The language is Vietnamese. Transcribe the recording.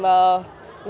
rất là vui